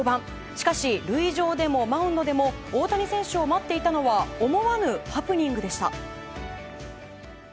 しかし、塁上でもマウンドでも大谷選手を待っていたのは思わぬハプニングでした。